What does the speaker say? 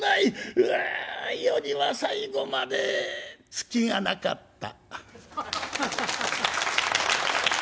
うう余には最後までツキがなかった」。